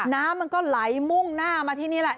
น้ำมันก็ไหลมุ่งหน้ามาที่นี่แหละ